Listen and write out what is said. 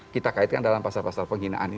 kita kaitkan dalam pasal pasal penghinaan ini